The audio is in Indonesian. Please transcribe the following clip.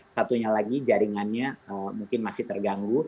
satunya lagi jaringannya mungkin masih terganggu